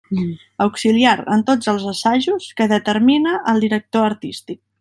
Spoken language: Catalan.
Auxiliar en tots els assajos que determine el director artístic.